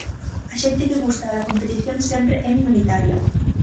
A xente que gusta da competición sempre é minoritaria.